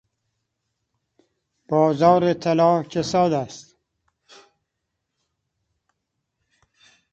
بازار طلا کساد است.